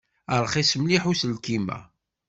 Rxis mliḥ uselkim-a.